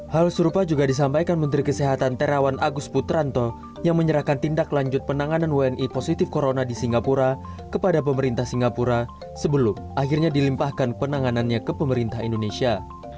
hal serupa juga disampaikan menteri kesehatan terawan agus putranto yang menyerahkan tindak lanjut penanganan wni positif corona di singapura kepada pemerintah singapura sebelum akhirnya dilimpahkan penanganannya ke pemerintah indonesia